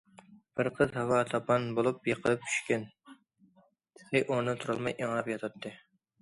بىر قىز ھاۋا تاپان بولۇپ يىقىلىپ چۈشكەن، تېخى ئورنىدىن تۇرالماي ئىڭراپ ياتاتتى.